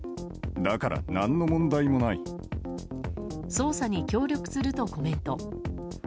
捜査に協力するとコメント。